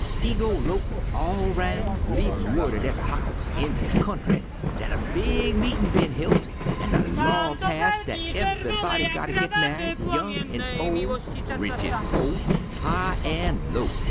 "He go lopin' all roun', leavin' wu'd at ev'y house in de kyountry dat a big meetin' bin hilt an' a law passed dat ev'yb'dy gotter git ma'ied, young an' ol', rich an' po', high an' low.